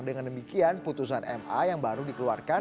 dengan demikian putusan ma yang baru dikeluarkan